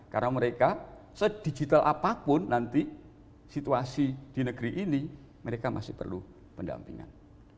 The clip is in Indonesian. karena mereka sedigital apapun nanti situasi di negeri ini mereka masih perlu pendampingan